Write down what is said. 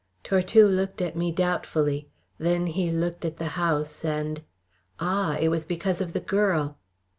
Tortue looked at me doubtfully. Then he looked at the house, and "Ah! It was because of the girl."